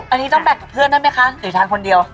อันนี้ต้องแบ่งกับเพื่อนได้ไหมคะหรือทานคนเดียว